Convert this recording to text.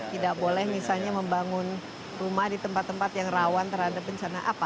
tidak boleh misalnya membangun rumah di tempat tempat yang rawan terhadap bencana apa